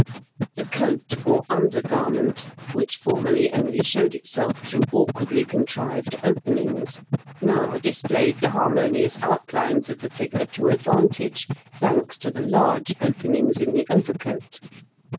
The coat, or under garment, which formerly only showed itself through awkwardly contrived openings, now displayed the harmonious outlines of the figure to advantage, thanks to the large openings in the overcoat.